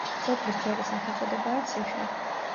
სოფლის ძველი სახელწოდებაა ციხე.